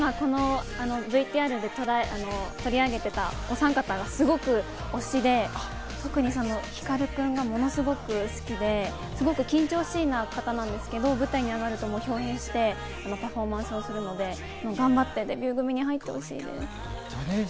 このＶＴＲで取り上げていた、お３方はすごく推しで、特にＨＩＫＡＲＵ君がものすごく好きで、緊張しいな方なんですけど、舞台に上がると豹変してパフォーマンスをするので、頑張ってデビュー組に入ってほしいなと思います。